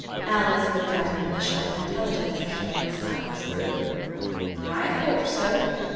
Alice looked at him with a sharp intelligence that read his silence through. 'I thought so.